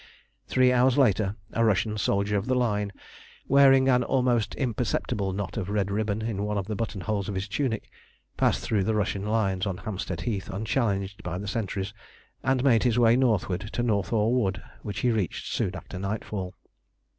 Three hours later a Russian soldier of the line, wearing an almost imperceptible knot of red ribbon in one of the button holes of his tunic, passed through the Russian lines on Hampstead Heath unchallenged by the sentries, and made his way northward to Northaw Wood, which he reached soon after nightfall.